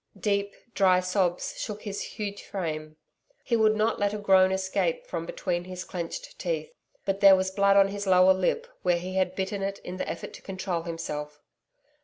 Deep dry sobs shook his huge frame. He would not let a groan escape from between his clenched teeth, but there was blood on his lower lip where he had bitten it in the effort to control himself.